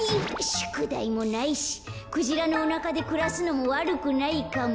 しゅくだいもないしクジラのおなかでくらすのもわるくないかも。